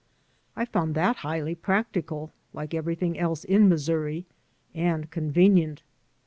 I found that highly practical, like everything else in Missouri, and convenient.